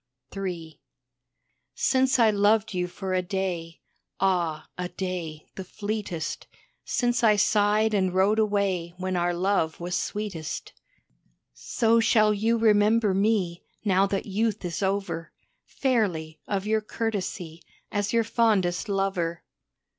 III Since I loved you for a day Ah, a day, the fleetest Since I sighed and rode away when our love was sweetest, So shall you remember me, now that youth is over, Fairly, of your courtesy, as your fondest lover.